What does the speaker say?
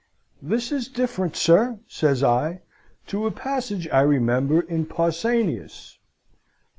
"'This is different, sir,' says I, 'to a passage I remember in Pausanias.'